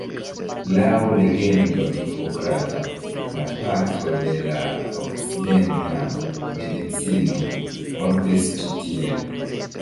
Laŭ legendo Hipokrato, la patro de la okcidenta medicino, mortis ĉi tien.